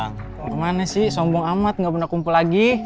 gimana sih sombong amat gak pernah kumpul lagi